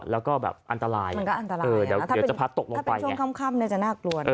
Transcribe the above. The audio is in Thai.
แล้วก็แบบอันตรายมันก็อันตรายถ้าเป็นช่วงค่ำจะน่ากลัว